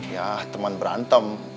ya teman berantem